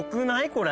これ。